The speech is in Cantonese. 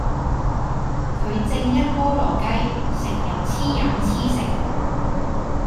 佢正一菠蘿雞成日黐飲黐食